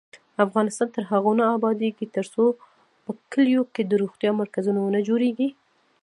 افغانستان تر هغو نه ابادیږي، ترڅو په کلیو کې د روغتیا مرکزونه ونه جوړیږي.